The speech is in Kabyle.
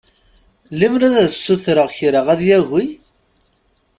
Lemmer ad s-ssutreɣ kra ad yagi?